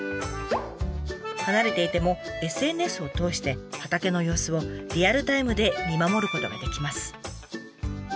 離れていてもＳＮＳを通して畑の様子をリアルタイムで見守ることができます。